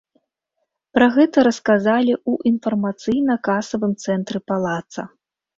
Пра гэта расказалі ў інфармацыйна-касавым цэнтры палаца.